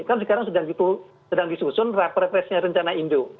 kan sekarang sedang disusun reprevesnya rencana indo